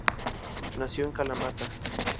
Nació en Kalamata.